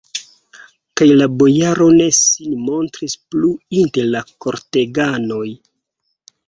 Kaj la bojaro ne sin montris plu inter la korteganoj.